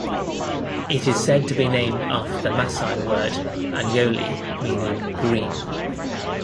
It is said to be named after the Maasai word "anyoli", meaning "green.